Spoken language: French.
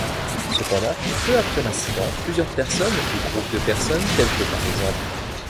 Cependant, peu après l’incident, plusieurs personnes ou groupes de personnes, tels que p.ex.